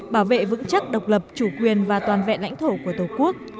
bảo vệ vững chắc độc lập chủ quyền và toàn vẹn lãnh thổ của tổ quốc